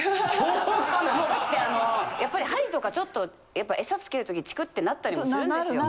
もうだってあのやっぱり針とかちょっとやっぱエサ付ける時チクってなったりもするんですよ。